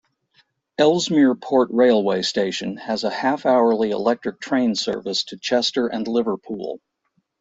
Ellesmere Port railway station has a half-hourly electric train service to Chester and Liverpool.